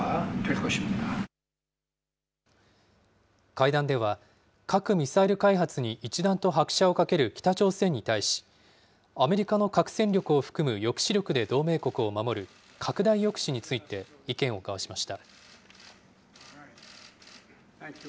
会談では、核・ミサイル開発に一段と拍車をかける北朝鮮に対し、アメリカの核戦力を含む抑止力で同盟国を守る拡大抑止について意見を交わしました。